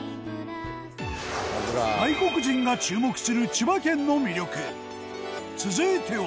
外国人が注目する千葉県の魅力続いては。